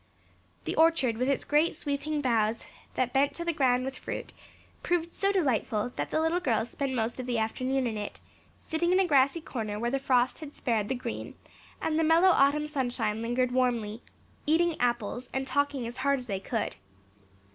The orchard, with its great sweeping boughs that bent to the ground with fruit, proved so delightful that the little girls spent most of the afternoon in it, sitting in a grassy corner where the frost had spared the green and the mellow autumn sunshine lingered warmly, eating apples and talking as hard as they could.